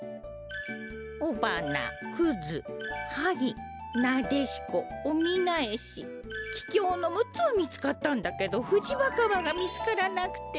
オバナクズハギナデシコオミナエシキキョウの６つはみつかったんだけどフジバカマがみつからなくて。